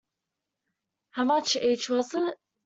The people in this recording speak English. How much each was it?